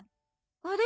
あれ？